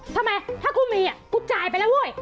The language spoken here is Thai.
ทำไมถ้ากูมีกูจ่ายไปแล้วเว้ย